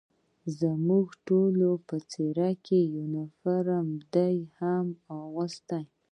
زموږ ټولو په څېر یونیفورم ده هم اغوسته.